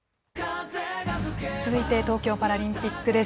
続いて東京パラリンピックです。